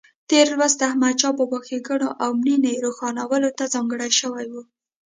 تېر لوست د احمدشاه بابا ښېګڼو او مړینې روښانولو ته ځانګړی شوی و.